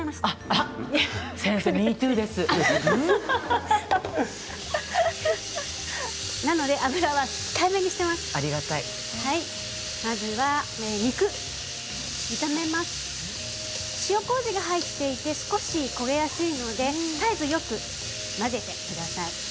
塩こうじが入っていて少し焦げやすいので絶えずよく混ぜてください。